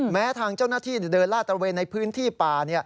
แม้ทางเจ้าหน้าที่จะเดินลาดตระเวนในพื้นที่ป่า